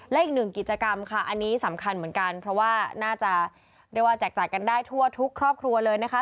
และอีกหนึ่งกิจกรรมค่ะอันนี้สำคัญเหมือนกันเพราะว่าน่าจะเรียกว่าแจกจ่ายกันได้ทั่วทุกครอบครัวเลยนะคะ